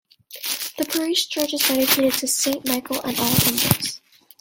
The parish church is dedicated to Saint Michael and All Angels.